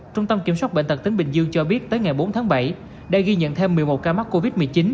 trung tâm kiểm soát bệnh tật tỉnh bình dương cho biết tới ngày bốn tháng bảy đã ghi nhận thêm một mươi một ca mắc covid một mươi chín